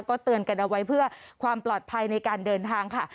ก็เตือนกันเอาไว้เพื่อความปลอดภัยในการเดินทางค่ะ